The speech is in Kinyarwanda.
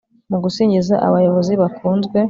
mu gusingiza abayobozi bakunzwe